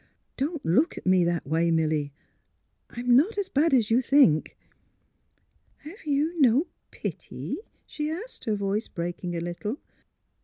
. Don't look at me that way, Milly; I'm not as bad as you think. ''" Have you no — pity? " she asked, her voice breaking a little.